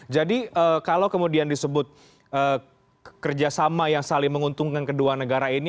jadi kalau kemudian disebut kerjasama yang saling menguntungkan kedua negara ini